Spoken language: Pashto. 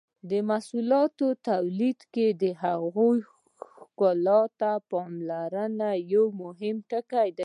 د محصولاتو تولید کې د هغوی ښکلا ته پاملرنه یو مهم ټکی دی.